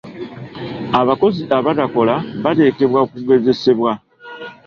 Abakozi abatakola bateekebwa ku kugezesebwa.